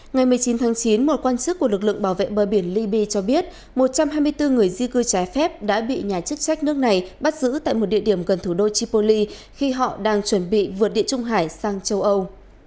ngày một mươi chín tháng chín một quan chức của lực lượng bảo vệ bờ biển libya cho biết một trăm hai mươi bốn người di cư trái phép đã bị nhà chức trách nước này bắt giữ tại một địa điểm gần thủ đô tripoli khi họ đang chuẩn bị vượt địa trung hải sang châu âu